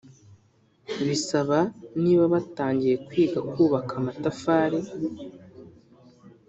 Bisaba niba batangiye kwiga kubaka amatafari